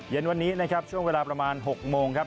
เย็นวันนี้นะครับช่วงเวลาประมาณ๖โมงครับ